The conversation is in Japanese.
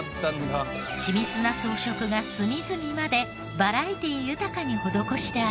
緻密な装飾が隅々までバラエティー豊かに施してあるのです。